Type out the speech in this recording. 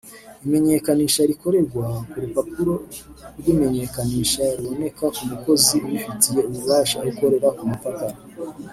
Imenyekanisha rikorerwa ku rupapuro rw’imenyekanisha ruboneka ku mukozi ubifitiye ububasha ukorera ku mupaka